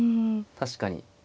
確かに。